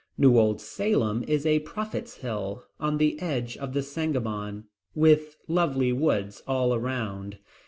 New Old Salem is a prophet's hill, on the edge of the Sangamon, with lovely woods all around.